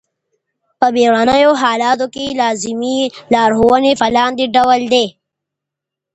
په بېړنیو حالاتو کي لازمي لارښووني په لاندي ډول دي.